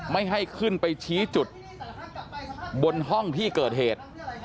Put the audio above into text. ไม่ให้ขึ้นไปชี้จุดบนห้องที่เกิดเหตุ